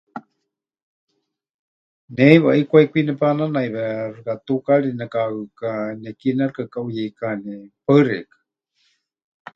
Ne heiwa ʼikwai kwi nepananaiwe xɨka tukaari nekahɨka, nekie nexɨkakaʼuyeikani. Paɨ xeikɨ́a.